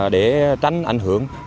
để tránh ảnh hưởng